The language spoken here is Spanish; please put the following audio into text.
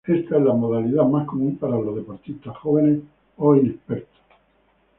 Esta es la modalidad más común para los deportistas jóvenes o inexpertos.